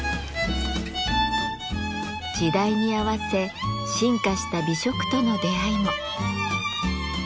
時代に合わせ進化した美食との出会いも。